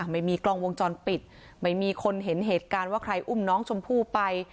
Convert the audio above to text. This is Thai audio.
ไม่มีกล้องวงจรปิดไม่มีคนเห็นเหตุการณ์ว่าใครอุ้มน้องชมพู่ไป